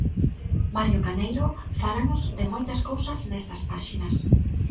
Mario Caneiro fálanos de moitas cousas nestas páxinas.